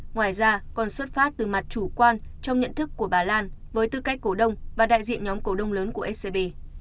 ngoài ra còn xuất phát từ mặt chủ quan trong nhận thức của bà lan với tư cách cổ đông và đại diện nhóm cổ đông lớn của scb